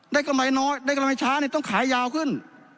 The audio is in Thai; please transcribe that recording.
ได้กระไหมน้อยได้กระไหมช้าต้องขายยาวขึ้น